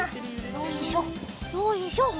よいしょよいしょ。